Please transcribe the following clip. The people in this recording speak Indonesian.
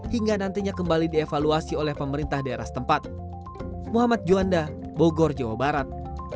hingga nantinya kembali dievaluasi oleh pemerintah daerah setempat